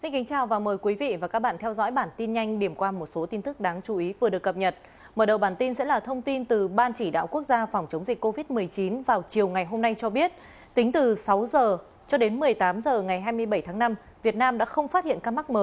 các bạn hãy đăng ký kênh để ủng hộ kênh của chúng mình nhé